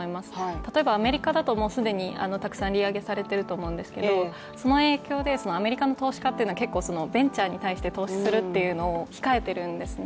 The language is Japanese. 例えばアメリカだと、もう既にたくさん利上げされていると思いますけれども、その影響でアメリカの投資家はベンチャーに投資するのを控えているんですね。